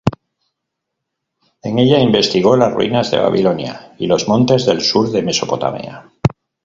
En ella investigó las ruinas de Babilonia y los montes del sur de Mesopotamia.